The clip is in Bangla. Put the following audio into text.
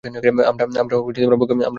আমরা বোকামি করিনি।